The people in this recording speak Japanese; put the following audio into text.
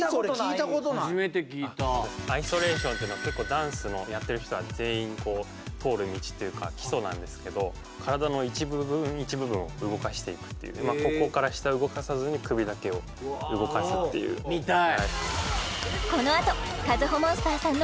初めて聞いたアイソレーションっていうのは結構ダンスのやってる人は全員通る道っていうか基礎なんですけど体の一部分一部分を動かしていくっていうここから下動かさずに首だけを動かすっていう見たい！